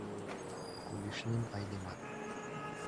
Кугешнен айдемат